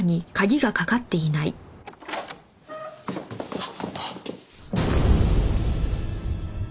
あっ！